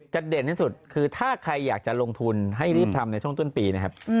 เด่นที่สุดคือถ้าใครอยากจะลงทุนให้รีบทำในช่วงต้นปีนะครับ